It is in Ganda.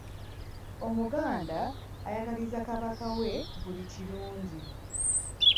Omuganda ayagaliza Kabaka we buli kirungi.